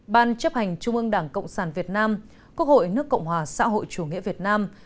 ban chấp hành trung ương đảng cộng sản việt nam quốc hội nước cộng hòa xã hội chủ nghĩa việt nam